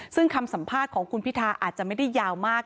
ซึ่งคำสัมภาษณ์ของคุณพิทาอาจจะไม่ได้ยาวมาก